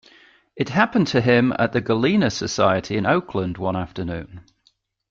It happened to him at the Gallina Society in Oakland one afternoon.